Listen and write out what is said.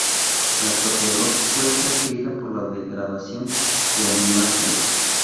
La proteólisis puede ser seguida por la degradación de aminoácidos.